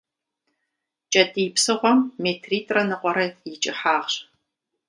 Кӏэтӏий псыгъуэм метритӏрэ ныкъуэрэ и кӏыхьагъщ.